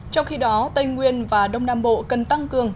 trong khi đó tây nguyên và đông nam bộ cần tăng cường